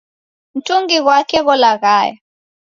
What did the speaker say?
Mutungi ghwake gholaghaya.